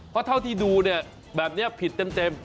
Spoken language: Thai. เพราะเท่าที่ดูเนี่ยแบบนี้ผิดเต็ม